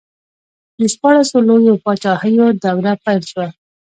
د شپاړسو لویو پاچاهیو دوره پیل شوه.